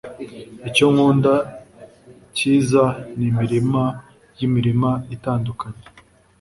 Icyo nkunda cyiza ni imirima yimirima itandukanye